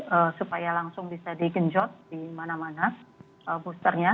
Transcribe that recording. jadi supaya langsung bisa di genjot dimana mana booster nya